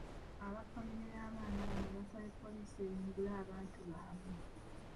Aba famire y’abaana bano basabye poliisi eyimbule abantu baabwe.